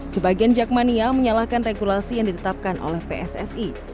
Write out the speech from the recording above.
sebagian jakmania menyalahkan regulasi yang ditetapkan oleh pssi